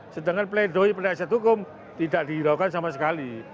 sedangkan peledoi pendekat hukum tidak dihiraukan sama sekali